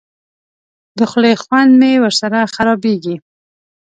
د خولې خوند مې ورسره خرابېږي.